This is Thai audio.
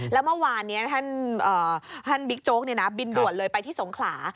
แล้วเมื่อวานนี้ท่านบิ๊กโจ๊กบินด่วนเลยไปที่สงขลา